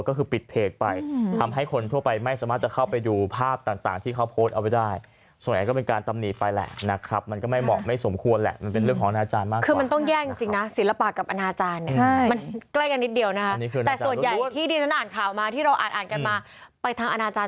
ก็คือปิดเพจไปทำให้คนทั่วไปไม่สามารถ